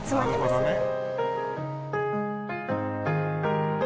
なるほどね。